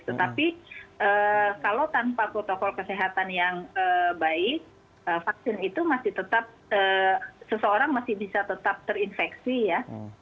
tetapi kalau tanpa protokol kesehatan yang baik vaksin itu masih tetap seseorang masih bisa tetap terinfeksi ya